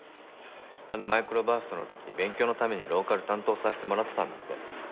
あのマイクロバーストの時勉強のためにローカル担当させてもらってたんだって。